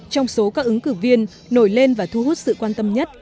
trong số các ứng cử viên nổi lên và thu hút sự quan tâm nhất